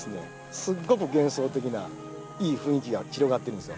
すっごく幻想的ないい雰囲気が広がってるんですよ。